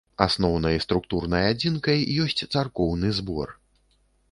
Асноўнай структурнай адзінкай ёсць царкоўны збор.